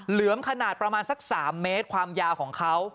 เหลือมขนาดประมาณสัก๓เมตรความยาวของเขา